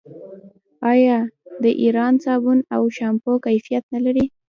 آیا د ایران صابون او شامپو کیفیت نلري؟